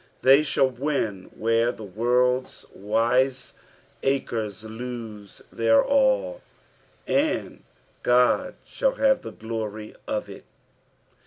They shall win where the world's wiseacres lose their all, and Qod shall have the glory of it.